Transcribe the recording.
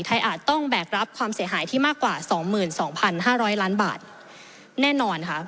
อาจต้องแบกรับความเสียหายที่มากกว่า๒๒๕๐๐ล้านบาทแน่นอนค่ะ